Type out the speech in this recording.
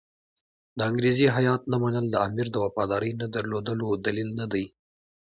د انګریزي هیات نه منل د امیر د وفادارۍ نه درلودلو دلیل نه دی.